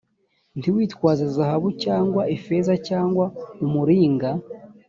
ntimwitwaze zahabu cyangwa ifeza cyangwa umuringa